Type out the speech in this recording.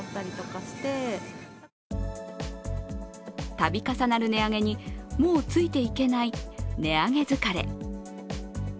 度重なる値上げに、もうついていけない値上げ疲れ。